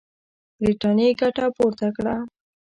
برټانیې ګټه پورته کړه.